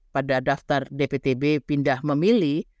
pada daftar dptb pindah memilih